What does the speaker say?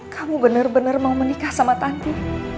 kamu bener bener mau menikah sama tanti